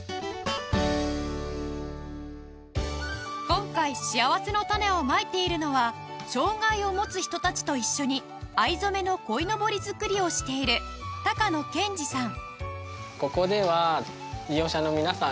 今回しあわせのたねをまいているのは障がいを持つ人たちと一緒に藍染めの鯉のぼり作りをしている高野賢二さん